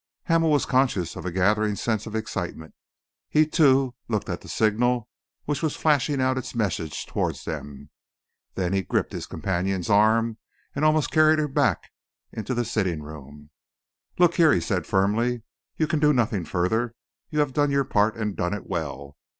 Hamel was conscious of a gathering sense of excitement. He, too, looked at the signal which was flashing out its message towards them. Then he gripped his companion's arm and almost carried her back into the sitting room. "Look here," he said firmly, "you can do nothing further. You have done your part and done it well.